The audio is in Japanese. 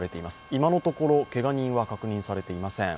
今のところ、けが人は確認されていません。